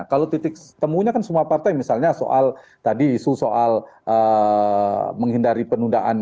kalau titik temunya kan semua partai misalnya soal tadi isu soal menghindari penundaan